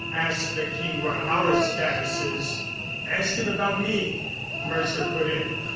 Ask the king what our status is." "Ask him about me," Mercer put in.